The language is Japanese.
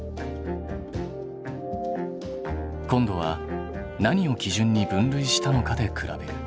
今度は何を基準に分類したのかで比べる。